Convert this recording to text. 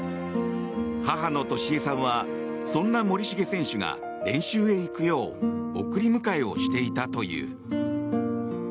母の俊恵さんはそんな森重選手が練習へ行くよう送り迎えをしていたという。